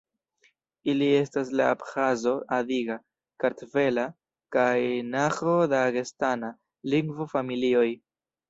Ili estas la Abĥazo-adiga, Kartvela, kaj Naĥo-Dagestana lingvo-familioj.